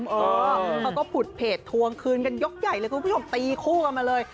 เขาก็ผุดเพจทวงคืนกันยกใหญ่เลยคุณผู้ชมตีคู่กันมาเลย